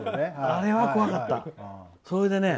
あれはこわかった。